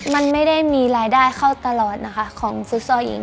มันไม่ได้มีรายได้เข้าตลอดนะคะของฟุตซอลหญิง